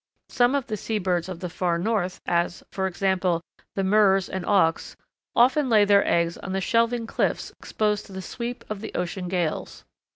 Some of the sea birds of the far North, as, for example, the Murres and Auks, often lay their eggs on the shelving cliffs exposed to the sweep of the ocean gales.